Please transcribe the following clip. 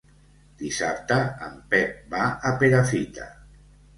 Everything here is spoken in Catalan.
Dissabte en Pep va a Perafita.